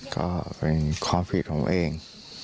ก็เป็นความผิดของเขาเอง